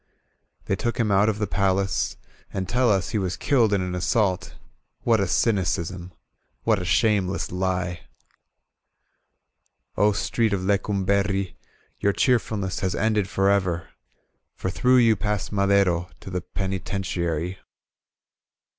They took him out of the Vcilace And teU us he was kiUed in an assault What a cymdsml What a shameless lie! "0 Street of Lecumberri Your cheerfulness has ended forever For through you passed Madero To the Penitentiary.